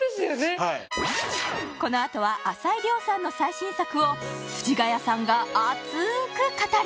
はいこのあとは朝井リョウさんの最新作を藤ヶ谷さんが熱く語る！